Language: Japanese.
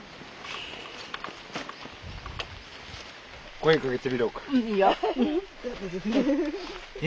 声かけてみようか。